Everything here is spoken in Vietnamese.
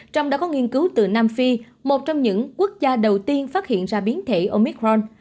trong đó có nghiên cứu từ nam phi một trong những quốc gia đầu tiên phát hiện ra biến thể omicron